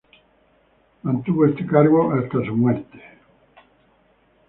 Mantuvo este cargo hasta su muerte.